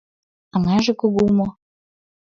Аҥаже кугу мо?